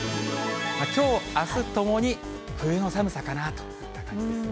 きょう、あすともに、冬の寒さかなといった感じですね。